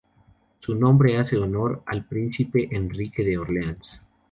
Su nombre hace honor al príncipe Enrique de Orleans.